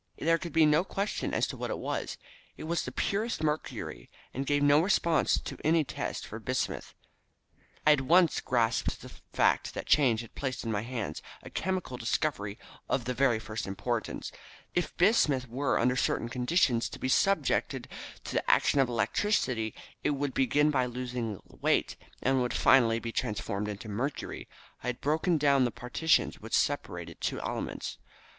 There could be no question as to what it was. It was the purest mercury, and gave no response to any test for bismuth. "I at once grasped the fact that chance had placed in my hands a chemical discovery of the very first importance. If bismuth were, under certain conditions, to be subjected to the action of electricity, it would begin by losing weight, and would finally be transformed into mercury. I had broken down the partition which separated two elements.